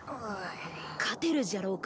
勝てるじゃろうか。